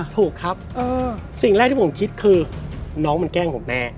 ถูกครับสิ่งแรกที่ผมคิดคือน้องมันแกล้งผมแน่